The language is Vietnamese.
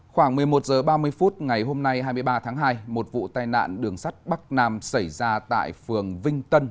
khoảng một mươi một h ba mươi phút ngày hôm nay hai mươi ba tháng hai một vụ tai nạn đường sắt bắc nam xảy ra tại phường vinh tân